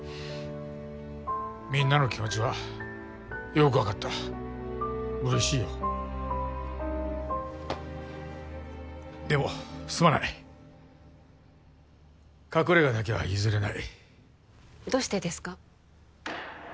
みんなの気持ちはよーく分かった嬉しいよでもすまない隠れ家だけは譲れないどうしてですか？